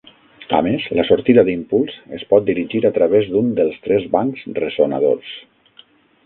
A més, la sortida d'impuls es pot dirigir a través d'un dels tres bancs ressonadors.